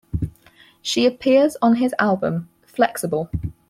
She appears on his album "Flex-Able".